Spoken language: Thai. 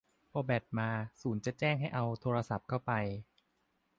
พอแบตมา ศูนย์จะแจ้งให้เอาโทรศัพท์เข้าไป